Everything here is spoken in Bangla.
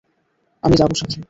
আমি যাব সাথে!